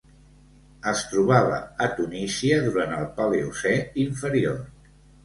Es trobava a Tunísia durant el Paleocè inferior.